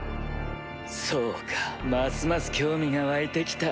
そうかますます興味が湧いてきた。